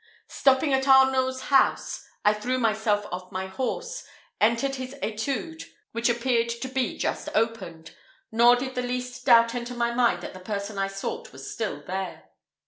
Stopping at Arnault's house, I threw myself off my horse, and entered his étude, which appeared to be just opened; nor did the least doubt enter my mind that the person I sought was still there.